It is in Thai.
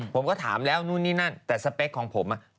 ผมก็ถามแล้วนู่นนี่นั่นแต่สเปคของผม